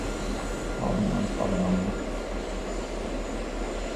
Labi, mans pavēlniek.